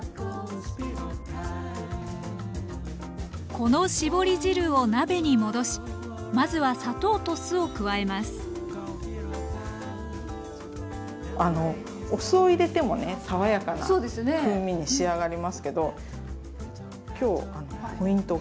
この絞り汁を鍋に戻しまずは砂糖と酢を加えますお酢を入れてもね爽やかな風味に仕上がりますけど今日ポイントが。